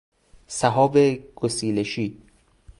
سحاب گسیلشی